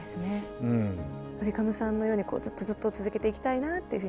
ドリカムさんのようにずっとずっと続けていきたいなっていうふうに。